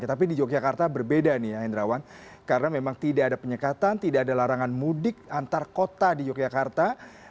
tetapi di yogyakarta berbeda nih ya hendrawan karena memang tidak ada penyekatan tidak ada larangan mudik antar kota di yogyakarta